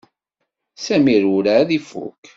Samir werɛad ifuk.